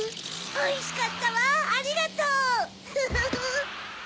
おいしかったわありがとう！フフフ！